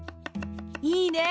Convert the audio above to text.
いいね！